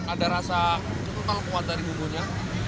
ada rasa total kuat dari bubunya